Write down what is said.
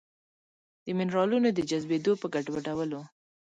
د مېنرالونو د جذبېدو په ګډوډولو